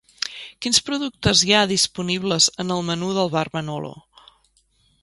Quins productes hi ha disponibles en el menú del bar Manolo?